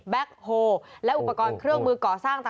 แบคโฮและอุปกรณ์เครื่องมือก่อสร้าง